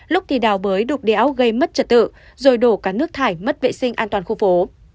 lúc thì đào bới đục đẽo gây mất trật tự rồi đổ cả nước thải mất vệ sinh an toàn khu phố